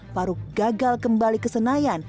farouk gagal kembali kesenangan